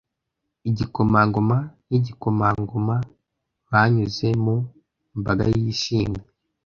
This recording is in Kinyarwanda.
Igikomangoma nigikomangoma banyuze mu mbaga yishimye.